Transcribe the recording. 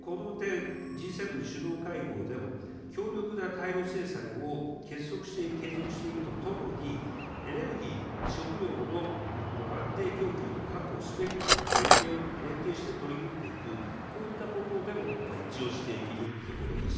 この点、Ｇ７首脳会合でも強力な対ロ制裁を結束して継続していくとともに、エネルギー、食料の安定供給を確保すべく、連携して取り組んでいく、こういったことでも一致をしているところです。